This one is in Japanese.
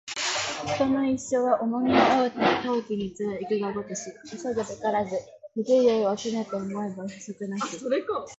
人の一生は重荷を負うて、遠き道を行くがごとし急ぐべからず不自由を、常と思えば不足なし